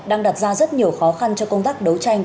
đang đặt ra rất nhiều khó khăn cho công tác đấu tranh